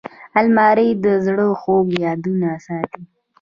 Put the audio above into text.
الماري د زړه خوږې یادونې ساتي